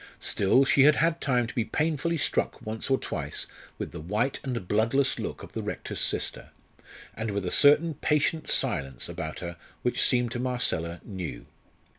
Still, she had had time to be painfully struck once or twice with the white and bloodless look of the Rector's sister, and with a certain patient silence about her which seemed to Marcella new.